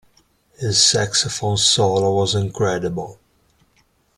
His saxophone solo was incredible.